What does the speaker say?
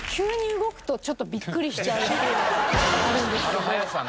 あの速さね。